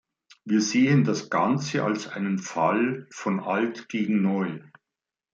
Wir sehen das Ganze als einen Fall von alt gegen neu.